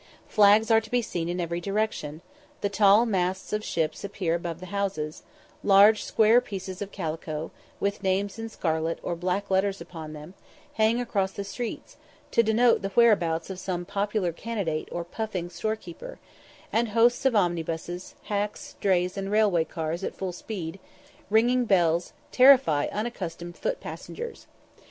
Flags are to be seen in every direction, the tall masts of ships appear above the houses; large square pieces of calico, with names in scarlet or black letters upon them, hang across the streets, to denote the whereabouts of some popular candidate or "puffing" storekeeper; and hosts of omnibuses, hacks, drays, and railway cars at full speed, ringing bells, terrify unaccustomed foot passengers.